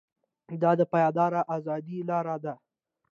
دا د پایداره ازادۍ لاره ده.